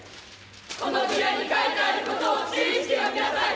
このビラに書いてあることを注意して読みなさい。